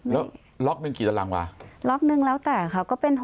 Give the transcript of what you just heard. แล้วล็อกหนึ่งกี่ตารางวะล็อกนึงแล้วแต่ค่ะก็เป็น๖๐